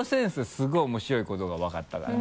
すごい面白いことが分かったから。